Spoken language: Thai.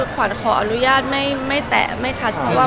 ขวันขออนุญาตไม่แตะตัวไม่เทาะ